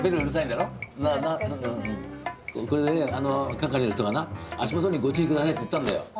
係の人がな「足元にご注意下さい」って言ったんだよ。